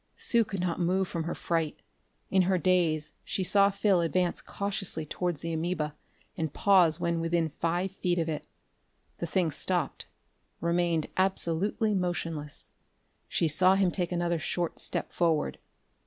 Sue could not move from her fright. In a daze she saw Phil advance cautiously towards the amoeba and pause when within five feet of it. The thing stopped; remained absolutely motionless. She saw him take another short step forward.